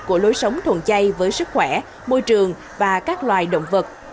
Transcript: của lối sống thuần chay với sức khỏe môi trường và các loài động vật